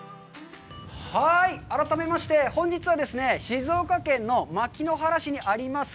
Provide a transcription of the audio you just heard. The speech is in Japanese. ハイ、改めまして、本日は、静岡県の牧之原市にあります